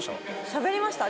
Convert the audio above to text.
しゃべりました。